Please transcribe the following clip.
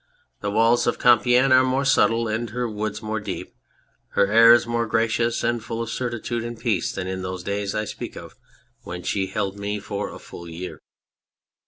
The walls of Compiegne are more subtle and her woods more deep ; her air is more gracious and full of certitude and peace than in those days I speak of when she held me for a full year.